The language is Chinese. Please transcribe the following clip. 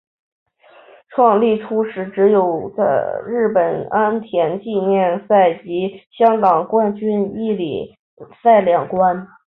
创立初时只有的日本安田纪念赛及香港冠军一哩赛两关。